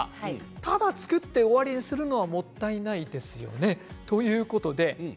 ただ作って終わりにするのはもったいないですよね。